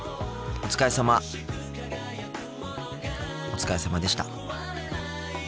お疲れさまでした。